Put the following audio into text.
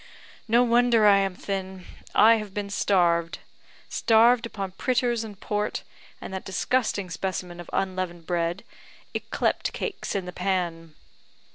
No wonder I am thin; I have been starved starved upon pritters and port, and that disgusting specimen of unleavened bread, yclept cakes in the pan.